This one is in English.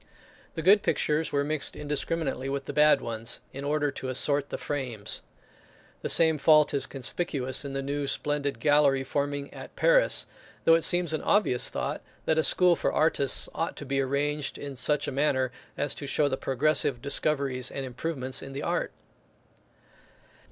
The good pictures were mixed indiscriminately with the bad ones, in order to assort the frames. The same fault is conspicuous in the new splendid gallery forming at Paris; though it seems an obvious thought that a school for artists ought to be arranged in such a manner, as to show the progressive discoveries and improvements in the art.